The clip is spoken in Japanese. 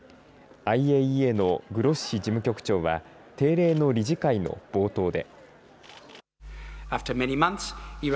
ＩＡＥＡのグロッシ事務局長は定例の理事会の冒頭で。